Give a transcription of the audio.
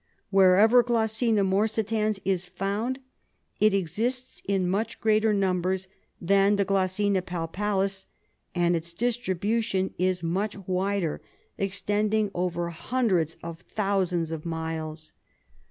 Wherever G. morsitans is found, it exists in much greater numbers than the G. palpalis, and its distribution is much wider, extending over hundreds of thousands of miles.